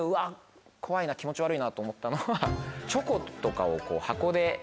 気持ち悪いなと思ったのは。